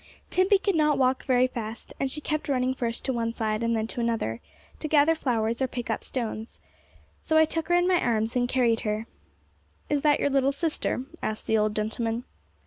Timpey could not walk very fast, and she kept running first to one side and then to another, to gather flowers or pick up stones, to I took her in my arms and carried her. 'Is that your little sister?' asked the old gentleman.